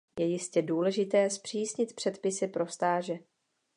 Je jistě důležité zpřísnit předpisy pro stáže.